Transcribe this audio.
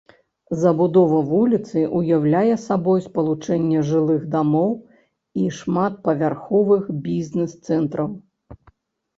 Забудова вуліцы ўяўляе сабой спалучэнне жылых дамоў і шматпавярховых бізнес-центраў.